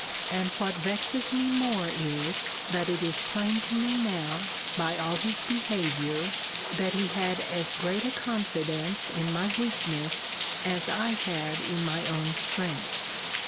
And what vexes me more is, that it is plain to me now, by all his behaviour, that he had as great a confidence in my weakness, as I had in my own strength.